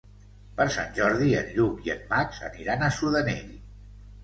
Per Sant Jordi en Lluc i en Max aniran a Sudanell.